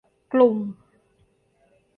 กลุ่ม